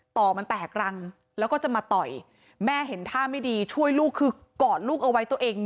ต่อมันแตกรังแล้วก็จะมาต่อยแม่เห็นท่าไม่ดีช่วยลูกคือกอดลูกเอาไว้ตัวเอง